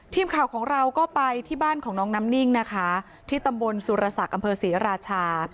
ทีมข่าวของเราก็ไปที่บ้านของน้องน้ำนิ่งนะคะที่ตำบลสุรศักดิ์อำเภอศรีราชา